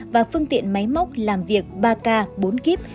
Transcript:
và phương tiện máy móc làm việc ba k bốn kíp